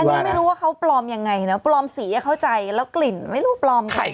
อันนี้ไม่รู้ว่าเขาปลอมยังไงนะปลอมสีให้เข้าใจแล้วกลิ่นไม่รู้ปลอมใคร